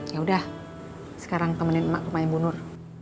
ya udah sekarang temenin emak ke rumah yang bunur